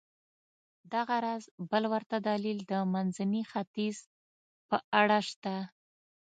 دغه راز بل ورته دلیل د منځني ختیځ په اړه شته.